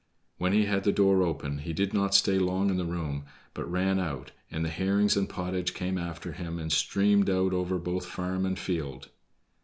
When he had the door open he did not stay long in the room, but ran out, and the herrings and pottage came after him, and streamed out over both farm and field.